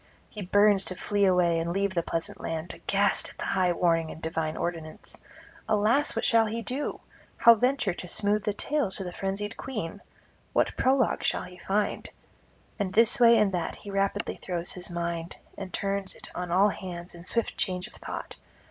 He burns to flee away and leave the pleasant land, aghast at the high warning and divine ordinance. Alas, what shall he do? how venture to smooth the tale to the frenzied queen? what prologue shall he find? and this way and that he rapidly throws his mind, and turns it on all hands in swift change of thought.